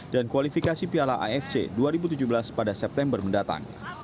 dan kualifikasi piala afc dua ribu tujuh belas pada september mendatang